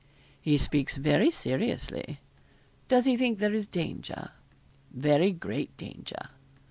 'He speaks very seriously.' 'Does he think there is danger?' 'Very great danger.'